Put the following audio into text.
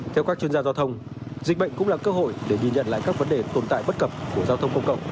theo các chuyên gia giao thông dịch bệnh cũng là cơ hội để nhìn nhận lại các vấn đề tồn tại bất cập của giao thông công cộng